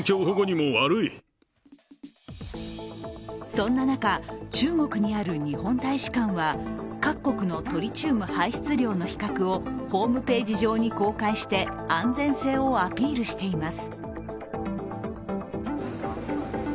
そんな中、中国にある日本大使館は各国のトリチウム排出量の比較をホームページ上に公開して安全性をアピールしています。